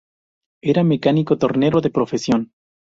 Era mecánico tornero de profesión.